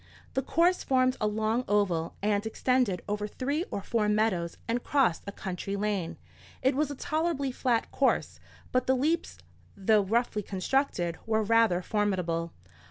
The course formed a long oval, and extended over three or four meadows, and crossed a country lane. It was a tolerably flat course; but the leaps, though roughly constructed, were rather formidable.